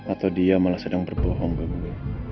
atau dia malah sedang berbohong kemudian